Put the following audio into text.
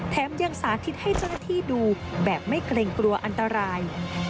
แถมยังสาธิตให้เจ้าหน้าที่ดูแบบไม่เกรงกลัวอันตราย